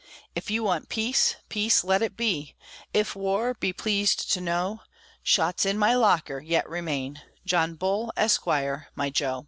If you want peace, peace let it be! If war, be pleased to know, Shots in my locker yet remain, John Bull, Esquire, my jo!